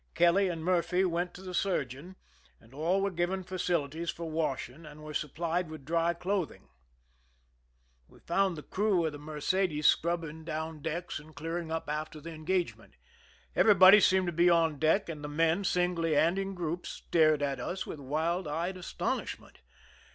Kelly and Murphy went to the surgeon, and all were given facilities for washing and were supplied with dry clothing.. We fecund the crew of the Mercedes scrubbing 127 THE SINKING OF THE "MERRIMAC" down decks and clearing up after the engagement. Everybody seemed to be on deck, and the men, singly and in groups, stared at us with wild eyed astonishment.